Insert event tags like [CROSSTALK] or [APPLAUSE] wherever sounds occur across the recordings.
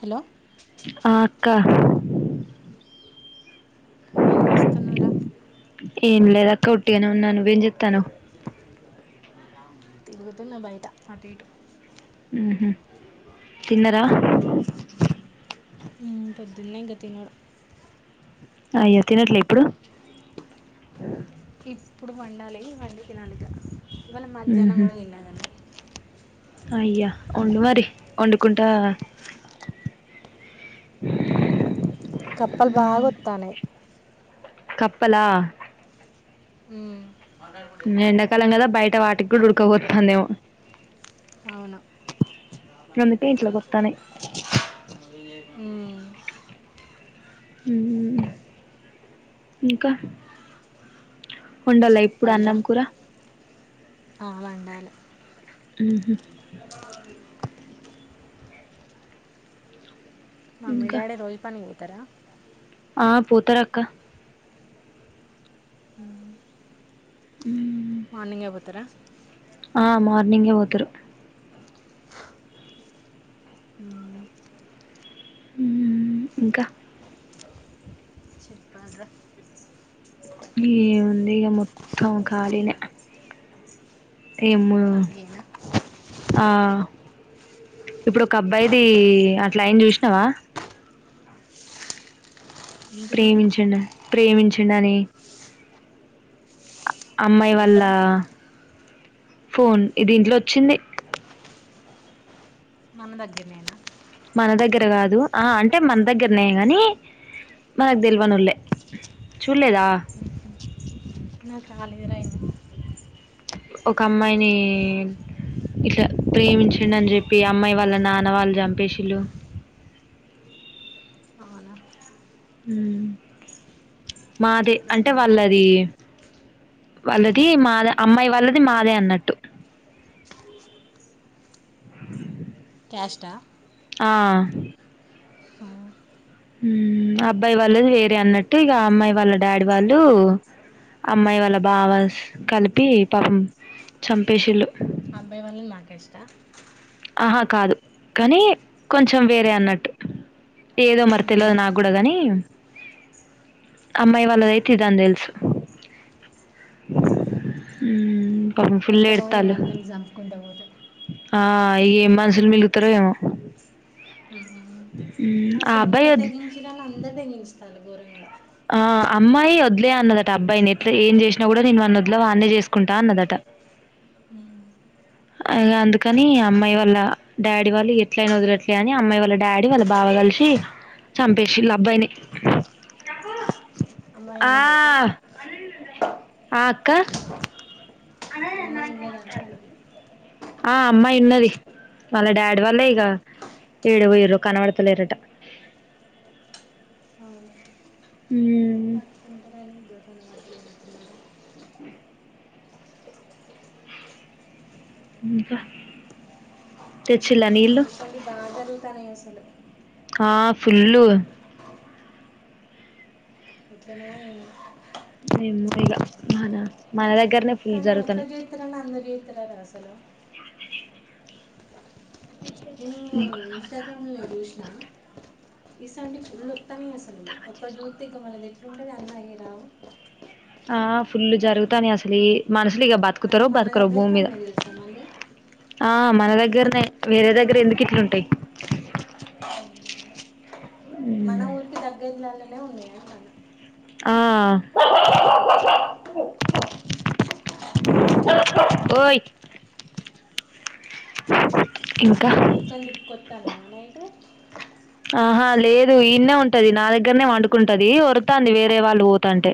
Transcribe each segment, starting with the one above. Hello ఆ కహా ఎం చేస్తున్నావ్ ర ఏం లేదు అక్క ఉటిగానే ఉన్నాను నువేం చేస్తున్నావ్ తిరుగుతున్న బయట అటు ఎటు హ్మహ్ తిన్నారా హుమ్మ్ పొద్దున్న ఇంకా తినడు అయ్యా తినట్లే ఇప్పుడు ఇప్పుడు వండాలి వండి తినాలిక హ్మహ్ ఆయా ఊండు మరి వండుకున్ కుంటా రా ఊ కప్పల్ బాగా వత్తానైయ్ కప్పలా హ్మ్ ఎండాకాలం కదా బయట వాటికి కూడా ఉదాడపోతండి ఏమో అవును అందుకే ఇంట్లోకి వత్తానయి హ్మ్ హ్మ్ ఇంకా వండాలా ఇప్పుడు చెప్పాలరా అన్నం కూర ఆ వండాలి హ్మ్ హా మమ్మీ ఇంకా డాడి రోజు పనికి పోత్ త్తరా ఆ పోూతరక్క హ్మ్ మార్నింగ్ ఏయ్ పోతార నిన్గ ఓతురు ఉ ఉమ్మ్ ఇంకా చెప్పల్రా డే మొత్తం కాలినే కానీగనా ఆ ఇప్పుడు ఒక అబ్బాయిది అట్లాయిన చూసినావా ఏంటిదది ప్రేమించండి ప్రేమించ చిని అమ్మాయి వాళ్ళ ఎక్కడ ఫోన్ ఇదింట్లో వచ్చింది. మన దగ్గరనేేనా మన దగ్గర కాదు ఆ అంటే మన దగ్గరనే కాని మనకు తెలివనుళ్లే చూడలేదా ఉహు నాకు రాలేదు రా ఏమ ఒక అమ్మాయిని ఇట్లా ప్రేమించండి అని చెప్పి అమ్మాయి వాళ్ళ నాన్న వాళ్ళు చంపేసిళు అవునా హ్మ్మ్ మాదే నాకు అంటే రాలేదు ఇంకా వాళ్ళది వాళ్ళది మాదే అమ్మాయి వాళ్ళది మాదే అన్నట్టు క్యాస్ట్ఆ ఆ ఉమ్ అబ్బాయి వాళ్ళది వేరే అన్నట్టు ఇగా అమ్మాయి వాళ్ళ డాడీ వాళ్ళు అమ్మాయి వాళ్ళ బావాస్ కలిపి పాపం చంపేసిల్లు అబ్బాయి వాళ్ళని మా క్యాస్ట్ ఆ ఆహా కాదు కానీ కొంచెం వేరే అన్నట్టు ఏదో మరి తెల్వదు ఉమ్. నా కూడా కాని అమ్మాయి వాళ్ళదయితే ఇది అని తెలుసు ఉమ్ ఎక్కడ ఇమందరిని చంపుకుంటా పోతే ఆ ఇగ ఏం మనుషులు మిలుగుతారో ఏమో హు ఉహు మ్మ్ ఆ అసలు అబ్బాయి ఒక్క వద్ తెగించినని అందరు తెగించితాలు గూరంగా ఆ అమ్మాయి వద్లే అన్నదట అబ్బాయిని ఎట్లా ఏం చేసినా కూడా నేను వాన్న వద్లే వాన్నే చేసుకుంటా అన్నదట ఉమ్. ఇగ అందుకని అమ్మాయి వాళ్ళ డాడీ వాళ్ళు ఎట్లయినా వదిలట్లే అని అమ్మాయి వాళ్ళ డాడీ వాళ్ళ బావ కలిసి చంపేసిల్లు అబ్బాయిని తబ్బు అమ్మాయి ఆ ఉన్నదా ఇప్పుడు ఆ అక్క అన ఎదు అమ్మాయి ఉన్నదా అంటాడు అంటాను ఆ అమ్మాయి ఉన్నది. వాళ్ళ డాడీ వాళ్ళ ఇగా ఏడ ఉయరు కనబడతలేరట అవును ఉము పట్టుకుంటారని దకాన వాట్లేన్నారా ఇంకా చెచ్ ఇసోంటి బాగా జరుగుతాన్నాయి అసలు హ ఫుల్లుు ఎట్లనో ఏమో ఎమ్మో ఇగా మనా మనదగ కనీ ఒక్క జీత్రన్న అంద జీత్ర రా అసలో ఎను ఇన్స్టాగ్రామ్ లో్యూషిన ఈసంటి ఫుల్ వత్తానే అసలు ఒక జ్యోతి ఇక మనది ఎట్లుంటుంది అన్న అయ్య రావు ఆ ఫుల్లు జరుగుతాని అసలు మనుషులు ఇక బతుకు కుతార అన్నీ మన బతుక భూమి దగ్గరికే మీద ఉన్నాయి తెలుసా మళ్ళీ ఆ మనదగ దగ్గరనే వేరే దగ్గర ఎందుకు ఇట్లుంటాయి మన ఊరికి దగ్గదిలాాల ఉన్నాయ అంటున్న ఆ ఓయ్ ఇంకా కుక్కల్ని కొట్టాలి నై ఇటు ఆహా లేదు ఈన్నే ఉంటది నా దగ్గరనే వండుకుంటది వరతాంది వేరే వాళ్ళు పోతంటే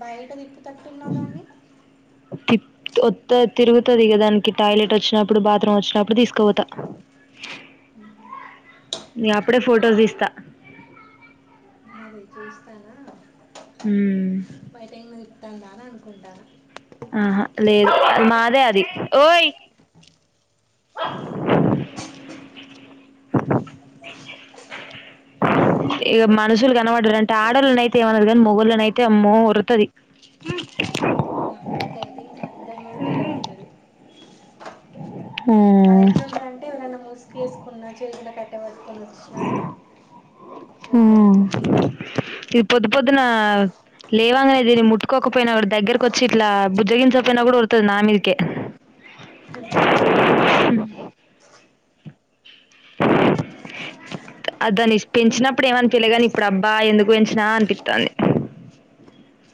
బయట తిప్పు తట్టున్నావ్ దాన్ని తిర్ వత్తే తిరుగుతుంది క దానికి టాయిలెట్ వచ్చినప్పుడు బాత్రూమ్ వచ్చినప్పుడు తీసుకుపోతా ఇంగ అప్పుడే ఫొటోస్ తీస్తా అదే చూస్తానా బయట ఇంగ కందాన అనుకుంటాన ఆహా లేదు మాదే అది ఓయ్ [INAUDIBLE] ఇగ మనుషులు కనపడ్డారు అంటే ఆడళ్ళనైతే ఏమనదు కాని మొగళ్ళనైతే అమ్మో ఉరతది మా కుక్క అయితే ఇంక అందరి మీదకిగబడతాది ఆ మన ఎట్లు ఉన్నారంటే ఎవరైన్నా మూసుకో వేసుకున్న చేతిలో కట్ట పెట్టుకొని, అనుషా వత్తడింక హ్మ్ ఇది పొద్దు పొద్దున లేవాగానే ముట్టుకోకపోయినా కూడా దగ్గరకు వచ్చి ఇట్లా బుజ్జగించకపోయినా కూడా వరుతుంది నా మీదకే హూ ఆహ్ అ దాన్ని పెంచినప్ ఇప్పుడు ఏమీ అనిపియాల గాని తెలియగాని ఇప్పుడు అబ్బా ఎందుకు పెంచినా అనిపిస్తుంది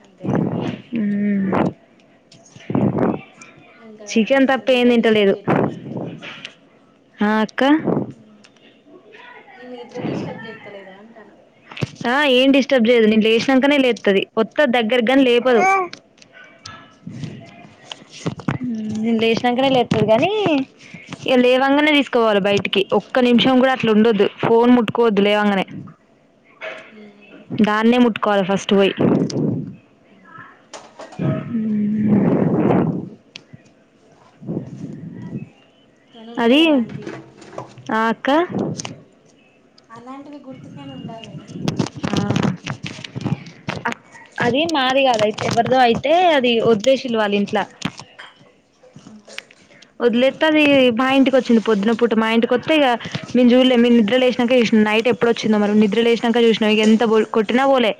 అంతేనా ఇకా చికెన్ నీ తప్ప ఏం నీద్ర డిస్టర్బ్ జైతలతే హా అక్క హా నేను మీ నిద్ర డిస్టర్బ్ చెస్తలేదు అంటాను హా ఏం డిస్టర్బ్ చేయదు నేను లేచినకనే లేచ్ ది వొత్త దగ్గరగాని లేపోదు నేను లేచినాకనే లేతుది కానీ లేవంగానే తీసుకోవాలి బయటికి ఒక్క నిమిషం కూడా అట్లా ఉండొద్దు ఫోన్ ముట్టుకోవద్దు లేవంగానే గాని ముడి వెతకాలి ఫస్ట్ పోయి హూ హూ దు తను ఉందళ అలాంటి ఆ అక్కా అలాంటివి గుర్తు ఆ అక్ అది మారి కాదు అయితే ఎవరిదో అయితే అది వద్దేశలువాలి ఇంట్లో వదిలేస్తతే అది మా ఇంటికి వచ్చింది పొద్దున పూట మా ఇంటికిొస్తే ఇక మేము చూడలే మీ నిద్ర లే వసినాక చూసినాం నైట్ ఎప్పుడు వచ్చిందో మనం నిద్ర లేసినాక చూసినాం ఇక ఎంత బ కొట్టినా పోలే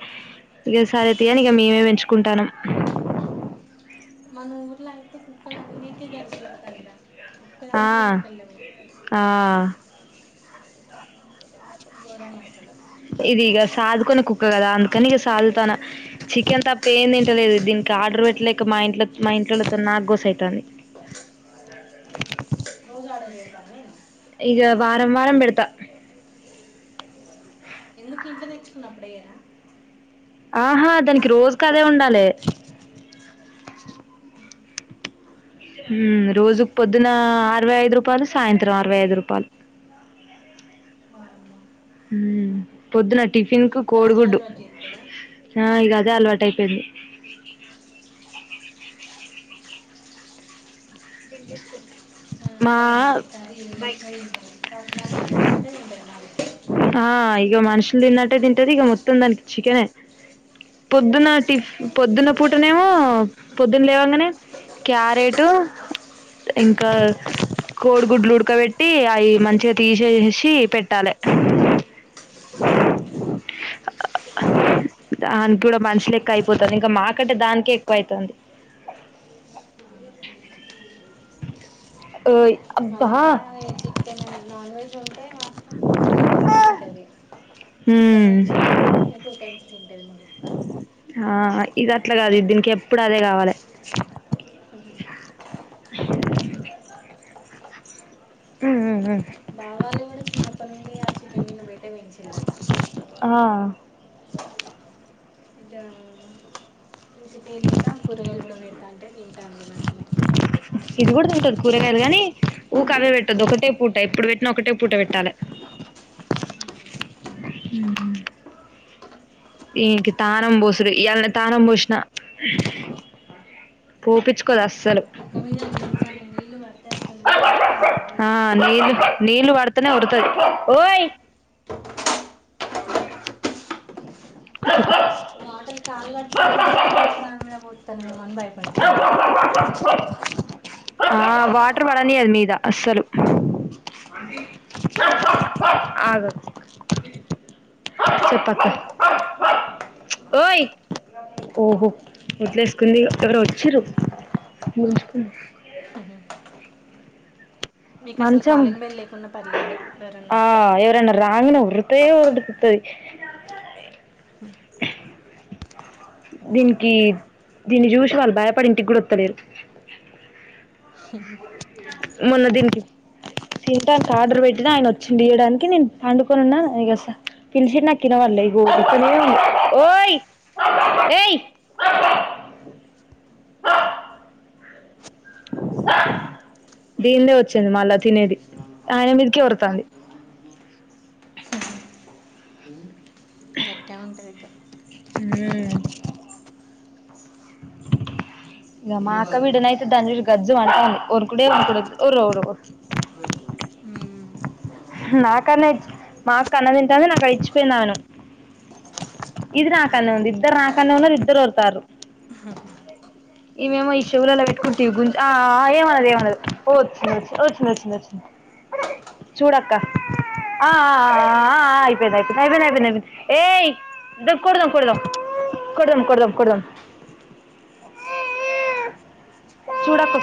ఇక సరే అతే అని ఇక మేమే ఎంచుకుంటాం మన ఊర్లో అయితే కుక్కలు అన్నిక గర్చు పెడుతుందిరా ఆ ఆ అచ్ ఘోరం అసలు ఇది ఇగ సాదుకొని కుక్క కదా అందుకని ఇక సాదుతాను చికెన్ తపయిందిింటలేదు దీనికి ఆర్డర్ పెట్టలేక మా ఇంట్లో మా ఇంట్లో నాకు గోస అవుతుంది [INAUDIBLE] ఇగ వారం వారం పెడుత ఎందుకు ఇంట్లో తెచ్చుకున్నప్పుడు అయ్యారా ఆహా దానికి రోజు క అదే ఉండాలి ఊ రోజుకు పొద్దున అరవై యిదు రూపాయలు సాయంత్రం అరవై ఐదు రూపాయలు ఊ పొద్దున టిఫిన్ కు ఇప్పుడు అదే కోడుగుడ్డు అలవాటు చేస్తారా అదే అలవాటు అయిపోయింది ఎంచుకుంటార్ హ అట్లేగానిలే అక్క ఈ ఫ్రై తింటానే క మనుషులు తిన్నట్టే తింటాలే ఇక మనుషులు తిన్నట్టే తింటది ఇక మొత్తం దానికి చికెన్ పొద్దున్న టిఫ పొద్దున్న పూటనే ఏమో పొద్దున్న లేవంగానే క్యారెట్ ఇంకా కోడిగుడ్లు ఉడకబెట్టి అవి మంచిగా తీసేసి పెట్టాలి దానికి కూడా మనుషులు ఎక్కువ అయిపోతుంది ఇంకా మాకంటే దానికే ఎక్కువ అయితుంది ఓయ్ మా అబ్బా దగ్గర చికెన్ నాన్ వెజ్ ఉంటే మాత్రం త్రీ టైమ్స్ తింటుంది ఇట్లా ఉమ్ వెజ్ అయితే టూ టైమ్స్ తింటది తక్క ఆ ఇది అట్లా కాదు దీనికి ఎప్పుడు అదే కావాలి ఉ మావాళ్ళు కూడా చిన్నప్పటి నుండి ఆ చికెన్ గిన్న బెట్టే పెంచిల్లట ఆ ఊకె తేలేక కూరగాయలు కూడా పెడతాంటే తింటాంది మంచినే ఇది కూడ తింటది కూరగాయలు కాని ఊకా అవే పెట్టొద్దు ఒకటే పూట ఎప్పుడు పెట్టిన ఒకటే పూట పెట్టాలి మ్మ్ మ్మ్ ఈనికి తానం పోసుడు ఇయ్యాల్నే తానం పోసిన పోపిచ్చుకోదు అస్సలు పొట్టాసలూ మొత్తం ఆ బొబ్బైలెక్కుతై నీళ్ళు వడుతనే ఊడుతది ఓయ్ ఎవ్వరు లేరా [UNINTELLIGIBLE] వాటర్ కాళ్లు కడ్కోని తిప్పినా కూడా దాని మీద పోతాన్నా మేమో అని భయపడుతది అది ఆ వాటర్ పడనీయదు మీద అస్సలు ఆగదు చెప్ప య ఓహో వట్లేసుకుంది ఎవరో వచ్చరు మీకు అసలు కాలింగ్ బెల్ లేకున్నా పర్లేదు ఎవరన్నొత్తే ఉరుతే ఉడుకుతది దీనికి దీన్ని చూసి వాళ్ళు భయపడి ఇంటికి గుొత్తలేరు మొన్న దీనికి తింటానికి ఆర్డర్ పెట్టినా ఆయన వచ్చియడానికి నేను పండుకొని ఉన్నాను పిలిషిండు నాకు వినపల్లె ఇగ ఒక్కటే ఒర్రుడు ఏయ్ హ్హ దీందే వచ్చింది మళ్ళా తినేది ఆయన మీదికి వొర్రుతాంది గట్టగా ఉంటది ఇక కుక్కలతోనే ఇ ఇల్లు మాక్క కాదు బిడ్డనాయితే దాన్ని గజ్జు వంటాంది ఉరుకుడే ఇల్లు కాదు ఉరుకుడు ఓరు ఓరు ఓర్ మ్మ్. నాకన్నా మా అక్క అన్నం తింటది నాకు అ ఇడిచ్చిపోయినాను ఇది నాకన్నే అవునా ఉంది ఇద్దరు నాకన్నే ఉన్నారు ఇద్దరు ఒర్రుతార్రు ఈ మేమో ఈ చెవులొలా పెట్టుకుందివి గుంజ్ చూడాకు